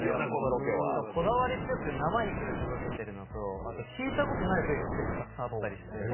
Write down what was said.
こだわり強くて、生肉で届けているのと聞いたことない部位が結構たくさんあったりして。